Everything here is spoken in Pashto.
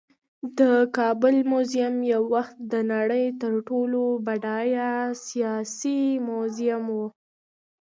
د کابل میوزیم یو وخت د نړۍ تر ټولو بډایه آسیايي میوزیم و